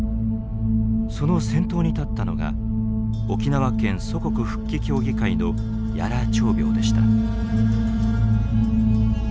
その先頭に立ったのが沖縄県祖国復帰協議会の屋良朝苗でした。